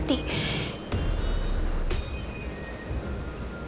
dia mau mati